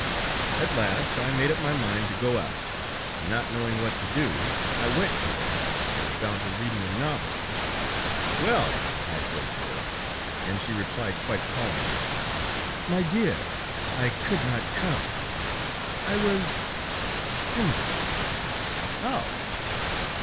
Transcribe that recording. At last, I made up my mind to go out, and not knowing what to do, I went to her and found her reading a novel." "Well!" I said to her. And she replied quite calmly: "My dear I could not come; I was hindered." "How?"